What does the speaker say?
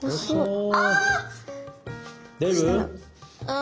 あ！